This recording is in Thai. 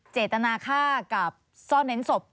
เจตนาฆ่ากับซ่อนเน้นศพ